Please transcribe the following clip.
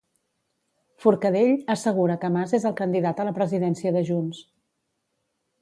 Forcadell assegura que Mas és el candidat a la presidència de Junts.